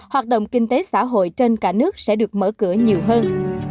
hoạt động kinh tế xã hội trên cả nước sẽ được mở cửa nhiều hơn